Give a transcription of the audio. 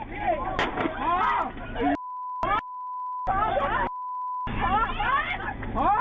พอพอ